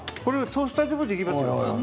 トースターでもできますよ。